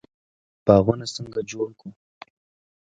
باغونه څنګه جوړ کړو؟